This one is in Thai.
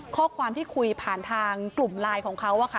ข้อความที่คุยผ่านทางกลุ่มไลน์ของเขา